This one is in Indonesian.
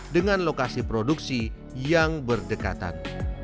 dengan lokasi produksi yang berdekatan